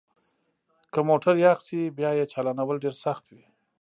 که موټر یخ شي بیا یې چالانول ډیر سخت وي